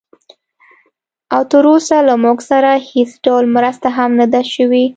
او تراوسه له موږ سره هېڅ ډول مرسته هم نه ده شوې